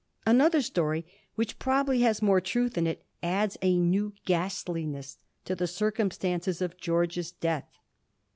Another story, which pro bably has more truth in it, adds a new ghastliness to the circumstances of George's death.